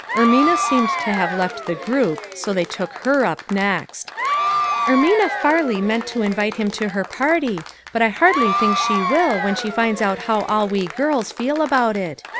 Ermina seemed to have left the group, so they took her up next. " Ermina Farley meant to invite him to her party, but I hardly think she will, when she finds out how all we girls feel about it.